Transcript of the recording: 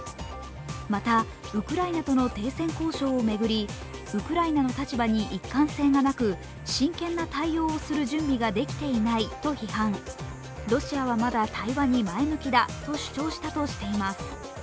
また、ウクライナとの停戦交渉をめぐり、ウクライナの立場に一貫性がなく、真剣な対応をする準備ができていないと批判、ロシアはまだ対話に前向きだと主張したとしています。